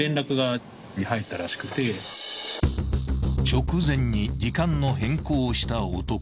［直前に時間の変更をした男］